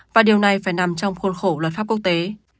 và điều này phải nằm trong khuôn khổ luật pháp quốc tế